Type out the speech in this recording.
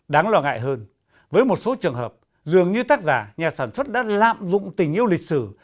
đáng lo ngại hơn với một số trường hợp dường như tác giả nhà sản xuất đã lạm dụng tình yêu lịch sử